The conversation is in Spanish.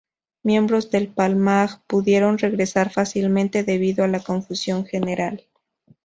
Los miembros del Palmaj pudieron regresar fácilmente debido a la confusión general.